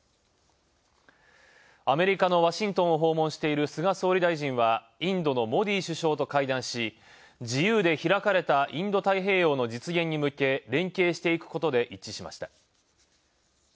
アメリカのワシントンを訪問している菅総理大臣はインドのモディ首相と会談し、自由で開かれたインド太平洋の実現に向け、連携していくことで一致しました。